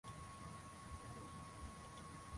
Kifo cha Jackson kiliamsha mihemko ya huzuni ulimwenguni